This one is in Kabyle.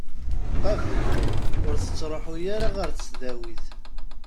Qabel, ur tettruḥu ara ɣer tesdawit.